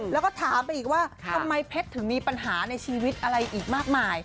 แล้วก็ถามไปอีกว่าทำไมเพชรถึงมีปัญหาในชีวิตอะไรอีกมากมาย